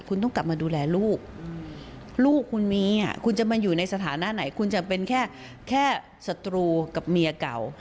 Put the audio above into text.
คุณต้องกลับมาดูแลลูกลูกคุณมีคุณจะมาอยู่ในสถานะไหนคุณจะเป็นแค่ศัตรูกับเมียเก่า